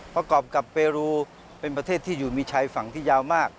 ประกอบกับเปรูเป็นประเทศที่อยู่มีชายฝั่งที่ยาวมาก